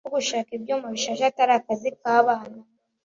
ko gushaka ibyuma bishaje atari akazi k'abana